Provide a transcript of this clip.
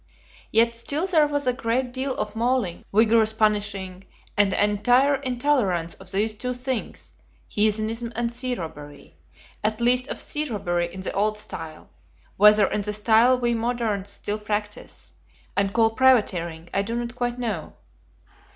Yet still there was a great deal of mauling, vigorous punishing, and an entire intolerance of these two things: Heathenism and Sea robbery, at least of Sea robbery in the old style; whether in the style we moderns still practise, and call privateering, I do not quite know.